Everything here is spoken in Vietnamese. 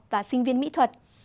và sinh viên mỹ thuật